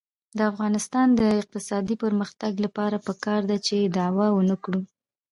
د افغانستان د اقتصادي پرمختګ لپاره پکار ده چې دعوه ونکړو.